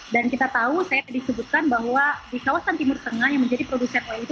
dan kita tahu saya tadi sebutkan bahwa di kawasan timur tengah yang menjadi produser oil itu